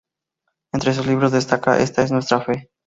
Entre sus libros destaca "Ésta es nuestra Fe.